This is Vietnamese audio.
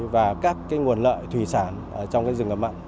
và các nguồn lợi thủy sản trong rừng ngập mặn